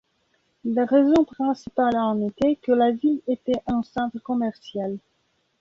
La raison principale en était que la ville était un centre commercial.